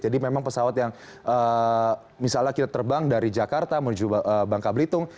jadi memang pesawat yang misalnya kita terbang dari jakarta menuju bangka blitong